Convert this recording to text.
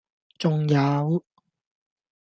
仲有